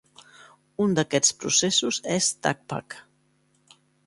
Un d'aquests processos és Tacpac.